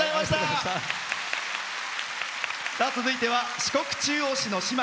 続いては四国中央市の姉妹。